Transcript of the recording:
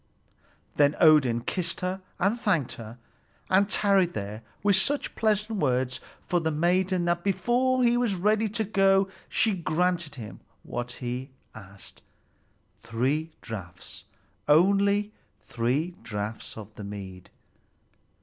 Then Odin kissed her and thanked her, and tarried there with such pleasant words for the maiden that before he was ready to go she granted him what he asked, three draughts, only three draughts of the mead.